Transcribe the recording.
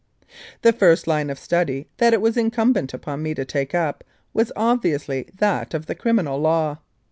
The first line of study that it was incumbent upon me to take up was obviously that of the Criminal Law.